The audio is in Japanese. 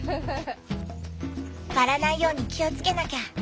割らないように気をつけなきゃ。